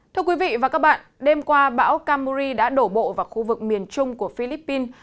thưa quý vị và các bạn đêm qua bão kamuri đã đổ bộ vào khu vực miền trung của philippines